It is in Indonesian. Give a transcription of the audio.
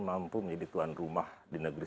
mampu menjadi tuan rumah di negeri